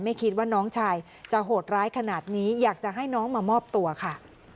ไม่คิดว่าน้องชายจะโหดร้ายขนาดนี้อยากจะให้น้องมามอบตัวค่ะ